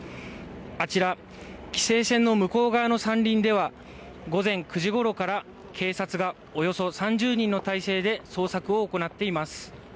あちら、規制線の向こう側の山林では午前９時ごろから警察がおよそ３０人の態勢で捜索を行っています。